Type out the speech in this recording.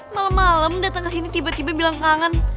malem malem dateng ke sini tiba tiba bilang kangen